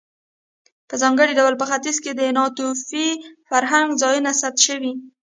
په ځانګړي ډول په ختیځ کې د ناتوفي فرهنګ ځایونه ثبت شوي.